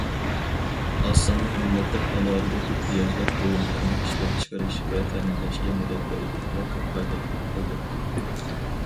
ئاز سانلىق مىللەتلەر ئالاھىدە ئېھتىياجلىق بۇيۇملارنى ئىشلەپچىقىرىش ۋە تەمىنلەشكە مەدەت بەردى ۋە كاپالەتلىك قىلدى.